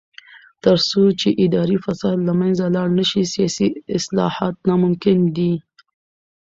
تر څو چې اداري فساد له منځه لاړ نشي، سیاسي اصلاحات ناممکن دي.